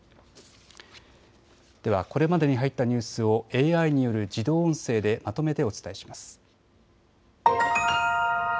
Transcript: ではこれまでに入ったニュースをＡＩによる自動音声でまとめてお伝えします。